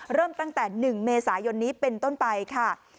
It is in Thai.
เริ่มตั้งแต่๑เมษายนนี้เป็นต้นไปค่ะ